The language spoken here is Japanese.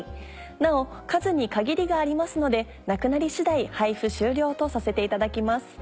なお数に限りがありますのでなくなり次第配布終了とさせていただきます。